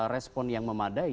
respon yang memadai